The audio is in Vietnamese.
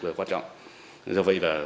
tại địa bàn tp cao bằng